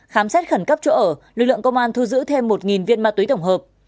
khám xét khẩn cấp chỗ ở lực lượng công an thu giữ thêm một viên ma túy tổng hợp